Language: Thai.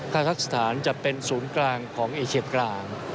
คาทักษฐานจะเป็นศูนย์กลางของเอเชียกลาง